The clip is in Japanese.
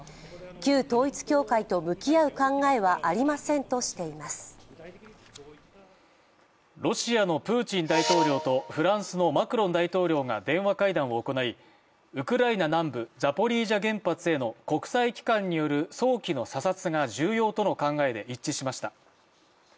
旧統一教会と向き合う考えはロシアのプーチン大統領とフランスのマクロン大統領が電話会談を行い、ウクライナ南部ザポリージャ原発への国際機関による早期の査察が重要との考えで一致しました。